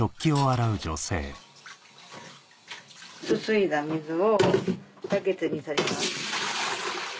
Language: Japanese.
すすいだ水をバケツにとります。